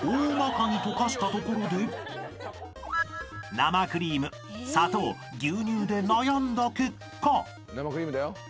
［生クリーム砂糖牛乳で悩んだ結果］